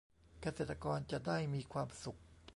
เกษตรกรจะได้มีความสุข